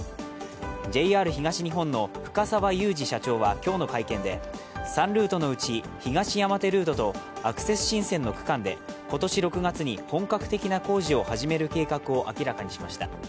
ＪＲ東日本の深澤祐二社長は今日の会見で、３ルートのうち東山手ルートとアクセス新線の区間で今年６月に本格的な工事を始める計画を明らかにしました。